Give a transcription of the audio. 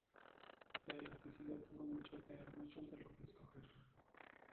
La elasticidad sube mucho al tener mucho entre lo que escoger.